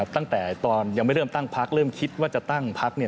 ตั้งแต่ตอนยังไม่เริ่มตั้งพักเริ่มคิดว่าจะตั้งพัก